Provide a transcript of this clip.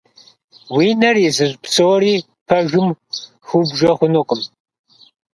Уи нэр изыщӀ псори пэжым хыубжэ хъунукъым.